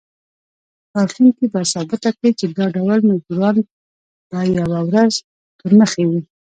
راتلونکي به ثابته کړي چې دا ډول مزدوران به یوه ورځ تورمخي وي.